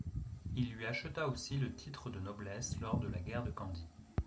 Il lui acheta aussi le titre de noblesse lors de la guerre de Candie.